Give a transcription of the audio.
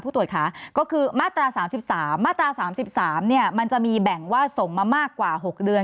ผู้ตรวจค้าก็คือมาตราสามสิบสามมาตราสามสิบสามเนี่ยมันจะมีแบ่งว่าส่งมามากกว่าหกเดือน